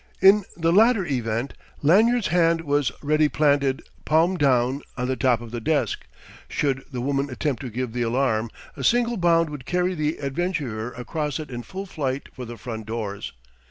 In the latter event, Lanyard's hand was ready planted, palm down, on the top of the desk: should the woman attempt to give the alarm, a single bound would carry the adventurer across it in full flight for the front doors.